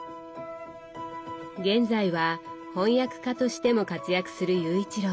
現在は翻訳家としても活躍する雄一郎さん。